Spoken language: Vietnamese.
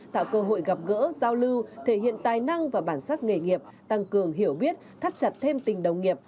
tạo cơ hội gặp gỡ giao lưu thể hiện tài năng và bản sắc nghề nghiệp tăng cường hiểu biết thắt chặt thêm tình đồng nghiệp